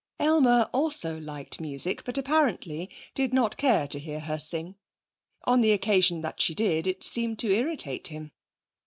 Aylmer also liked music, but apparently did not care to hear her sing. On the occasion that she did, it seemed to irritate him.